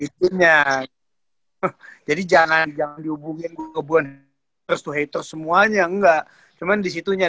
gitu jadi jangan dihubungin ke hubungan haters to haters semuanya enggak cuman disitunya